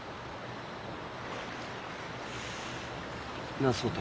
なあ蒼太。